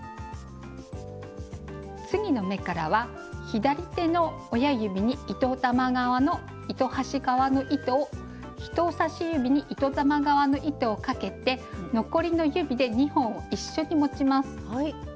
次の目からは左手の親指に糸端側の糸を人さし指に糸玉側の糸をかけて残りの指で２本を一緒に持ちます。